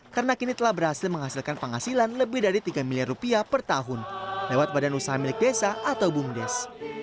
karena kini telah berhasil menghasilkan penghasilan lebih dari tiga miliar rupiah per tahun lewat badan usaha milik desa atau bumdes